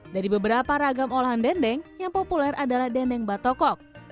dari beberapa ragam olahan dendeng yang populer adalah dendeng batokok